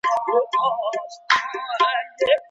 په ډله کي کار کول د زغم کچه لوړوي.